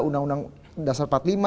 undang undang dasar empat puluh lima